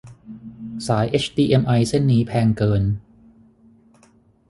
สายเอชดีเอ็มไอเส้นนี้แพงเกิน